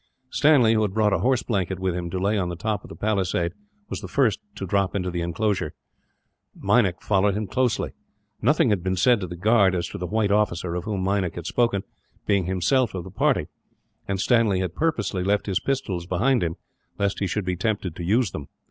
Stanley, who had brought a horse blanket with him to lay on the top of the palisade, was the first to drop into the inclosure. Meinik followed him closely. Nothing had been said to the guard as to the white officer, of whom Meinik had spoken, being himself of the party; and Stanley had purposely left his pistols behind him, lest he should be tempted to use them.